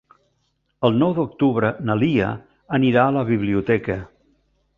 El nou d'octubre na Lia anirà a la biblioteca.